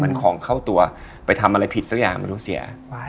มันของเข้าตัวไปทำอะไรผิดสักอย่างมันต้องเสีย